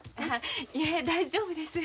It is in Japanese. いえ大丈夫です。